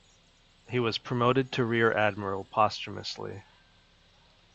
He was promoted to Rear-Admiral posthumously.